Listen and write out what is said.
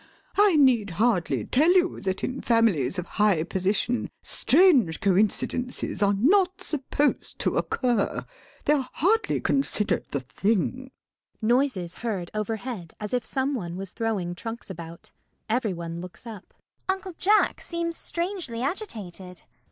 I need hardly tell you that in families of high position strange coincidences are not supposed to occur. They are hardly considered the thing. [Noises heard overhead as if some one was throwing trunks about. Every one looks up.] CECILY. Uncle Jack seems strangely agitated.